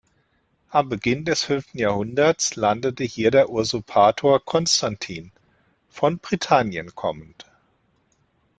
Am Beginn des fünften Jahrhunderts landete hier der Usurpator Konstantin, von Britannien kommend.